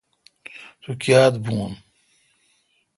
تو کایتھ بھو۔